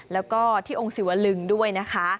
แล้วก็ที่องค์ศิวลึงด้วยนะคะ